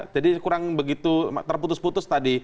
jadi kurang begitu terputus putus tadi